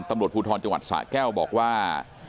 ตำรวจภูทรจังหวัดสะแก้วบอกว่า